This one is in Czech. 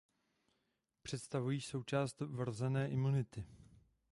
Představují součást vrozené imunity.